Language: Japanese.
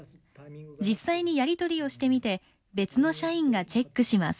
実際にやり取りをしてみて別の社員がチェックします。